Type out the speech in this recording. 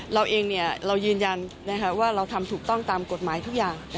เราเองเรายืนยันว่าเราทำถูกต้องตามกฎหมายทุกอย่าง